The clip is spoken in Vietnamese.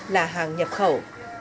là hàng nhập khẩu